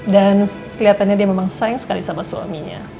dan keliatannya dia memang sayang sekali sama suaminya